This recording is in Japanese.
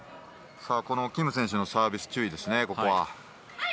キム選手のサービス注意です。